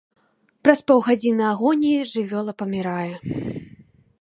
Праз паўгадзіны агоніі жывёла памірае.